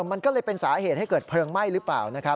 มันก็เลยเป็นสาเหตุให้เกิดเพลิงไหม้หรือเปล่านะครับ